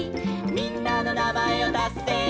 「みんなのなまえをたせば」